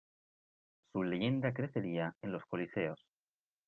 Su leyenda crecería en los coliseos.